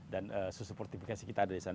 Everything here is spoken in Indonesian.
dan susuportifikasi kita ada disana